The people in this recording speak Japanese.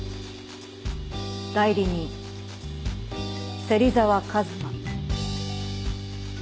代理人芹沢和馬。